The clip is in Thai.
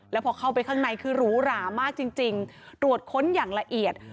แล้วพอเข้าไปข้างในคือหรูหรามากจริงตรวจค้นอย่างละเอียด